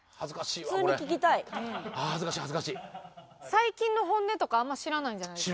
最近の本音とかあんま知らないんじゃないですか？